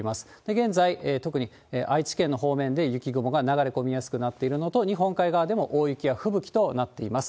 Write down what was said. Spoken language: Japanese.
現在、特に愛知県の方面で雪雲が流れ込みやすくなっているのと、日本海側でも大雪や吹雪となっています。